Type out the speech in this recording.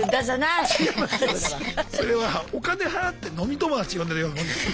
それはお金払って飲み友達呼んでるようなもんです。